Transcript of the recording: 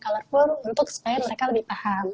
colorful untuk supaya mereka lebih paham